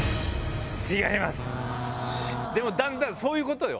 でもだんだんそういうことよ。